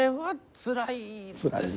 つらいですね。